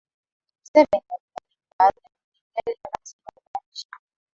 mseveni alibadili baadhi ya vipengele vya katiba ya nchi